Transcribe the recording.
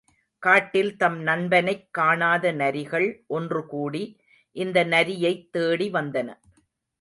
காட்டில் தம் நண்பனைக் காணாத நரிகள் ஒன்றுகூடி இந்த நரியைத் தேடி வந்தன.